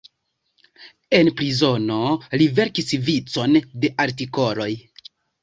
En prizono li verkis vicon de artikoloj.